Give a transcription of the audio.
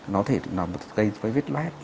nó có thể gây với vết lát